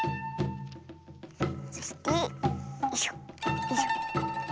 そしてよいしょよいしょ。